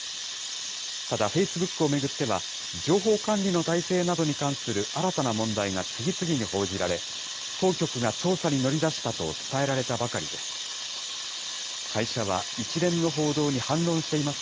ただ、フェイスブックを巡っては、情報管理の体制などに関する新たな問題が次々に報じられ、当局が調査に乗り出したと伝えられたばかりです。